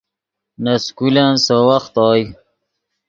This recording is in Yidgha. نے سکولن سے وخت اوئے